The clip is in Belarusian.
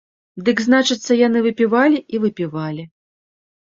Дык, значыцца, яны выпівалі і выпівалі.